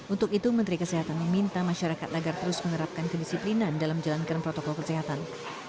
untuk itu menteri kesehatan meminta masyarakat agar terus menerapkan kedisiplinan dalam menjalankan protokol kesehatan